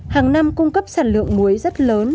hàng năm cung cấp sản lượng muối rất lớn